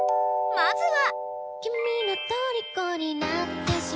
［まずは］